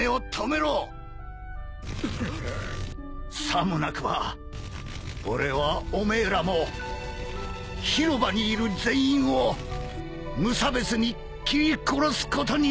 さもなくば俺はおめえらも広場にいる全員を無差別に斬り殺すことになる！